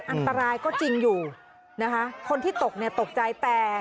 อันตรายก็จริงอยู่นะคะคนที่ตกเนี่ยตกใจแต่